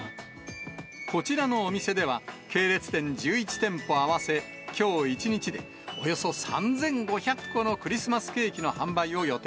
こちらのお店では、系列店１１店舗合わせ、きょう１日で、およそ３５００個のクリスマスケーキの販売を予定